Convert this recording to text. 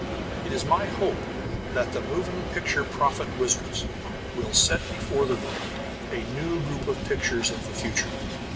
It is my hope that the moving picture prophet wizards will set before the world a new group of pictures of the future.